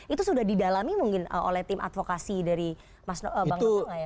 itu sudah didalami mungkin oleh tim advokasi dari bang jokowi gak ya